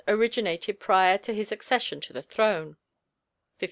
originated prior to his accession to the throne (1515).